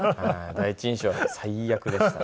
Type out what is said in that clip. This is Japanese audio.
第一印象は最悪でしたね。